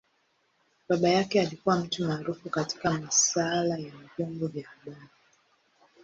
Baba yake alikua mtu maarufu katika masaala ya vyombo vya habari.